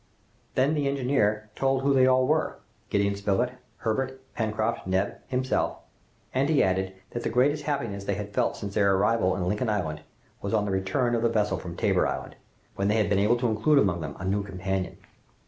Then the engineer told who they all were, Gideon Spilett, Herbert, Pencroft, Neb, himself, and, he added, that the greatest happiness they had felt since their arrival in Lincoln Island was on the return of the vessel from Tabor Island, when they had been able to include among them a new companion.